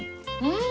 うん！